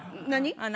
何？